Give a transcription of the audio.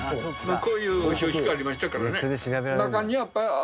こういう標識ありましたからね。